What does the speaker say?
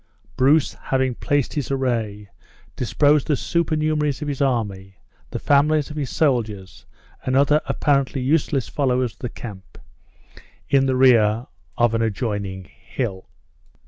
Bruce, having placed his array, disposed the supernumeraries of his army, the families of his soldiers, and other apparently useless followers of the camp, in the rear of an adjoining hill.